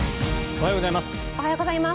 おはようございます。